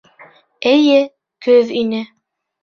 —...Эйе, көҙ ине.